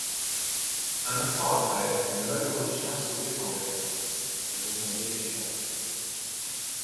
Un instant après, le malheureux chien sautait en l’air, et retombait éventré.